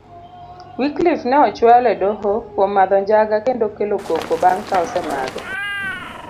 Wyclife ne ochual edoho kuom madho njaga kendo kelo koko bang kaosemadhe.